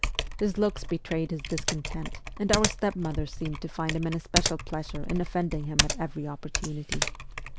His looks betrayed his discontent, and our stepmother seemed to find an especial pleasure in offending him at every opportunity.